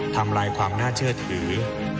ทำลายความน่าเชื่อถือ